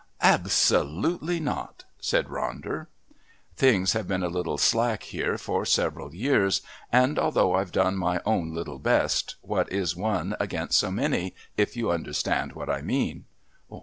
"Absolutely not," said Ronder. "Things have been a little slack here for several years, and although I've done my own little best, what is one against so many, if you understand what I mean?"